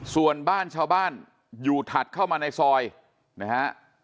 ส่วนบ้านชาวบ้านอยู่ถัดเข้ามาในซอยนะฮะ